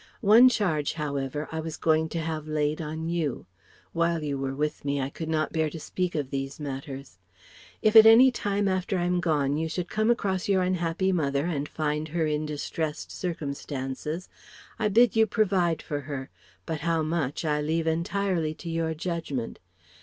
One charge, however, I was going to have laid on you; while you were with me I could not bear to speak of these matters. If at any time after I'm gone you should come across your unhappy mother and find her in distressed circumstances, I bid you provide for her, but how much, I leave entirely to your judgment.